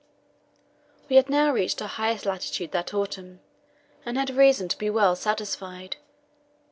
We had now reached our highest latitude that autumn, and had reason to be well satisfied.